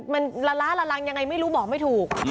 มันละล้าละลังยังไงไม่รู้บอกไม่ถูก